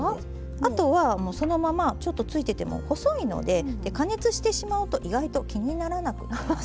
あとはそのままちょっとついてても細いので加熱してしまうと意外と気にならなくなります。